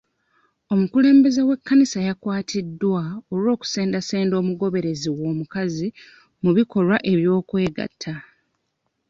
Omukulembeze w'ekkanisa yakwatiddwa olw'okusendasenda omugoberezi we okukazi mu bikolwa eby'okwegatta.